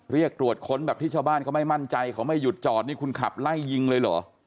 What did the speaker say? เรียกตรวจค้นแบบที่ชาวบ้านเขาไม่มั่นใจเขาไม่หยุดจอดนี่คุณขับไล่ยิงเลยเหรอ